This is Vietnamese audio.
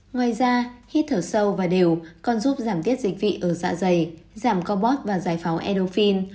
ngoài ra hít thở sâu và đều còn giúp giảm tiết dịch vị ở dạ dày giảm cobot và giải phóng erofin